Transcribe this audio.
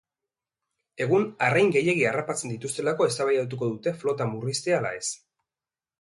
Egun arrain gehiegi harrapatzen dituztelako eztabaidatuko dute flota murriztea ala ez.